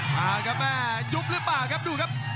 มาครับแม่ยุบหรือเปล่าครับดูครับ